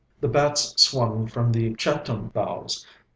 The bats swung from the chhatim boughs.